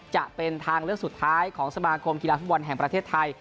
จะเป็นทางเลือกสุดท้ายของสมาคมกีฬาฟุตบอลแห่งประเทศไทย